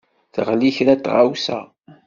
Teɣli kra n tɣewsa.